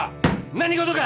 何事か！